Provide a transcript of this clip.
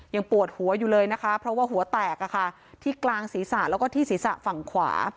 ยังปวดหัวอยู่เลยนะคะเพราะว่าหัวแตกที่กลางศีรษะแล้วก็ที่ศีรษะฝั่งขวา